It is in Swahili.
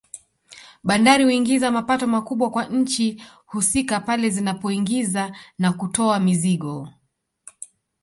Bandari huingiza mapato makubwa kwa nchi husika pale zinapoingiza na kutoa mizigo